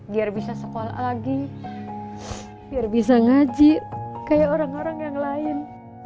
biar bisa sekolah lagi biar bisa ngaji kayak orang orang yang lain